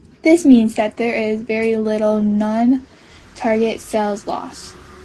This means that there is very little non-target cell loss.